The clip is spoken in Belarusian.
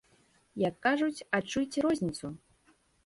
Як кажуць, адчуйце розніцу!